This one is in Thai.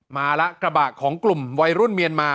มาแล้วกระบะของกลุ่มวัยรุ่นเมียนมา